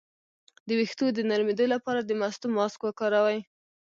د ویښتو د نرمیدو لپاره د مستو ماسک وکاروئ